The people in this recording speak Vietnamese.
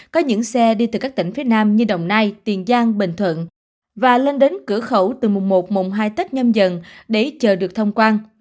có những xe đi từ các tỉnh phía nam như đồng nai tiền giang bình thuận và lên đến cửa khẩu từ mùng một mùng hai tết nhâm dần để chờ được thông quan